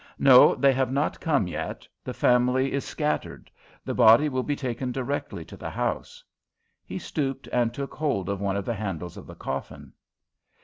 "No, they have not come yet; the family is scattered. The body will be taken directly to the house." He stooped and took hold of one of the handles of the coffin.